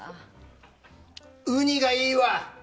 ウニがいいわ！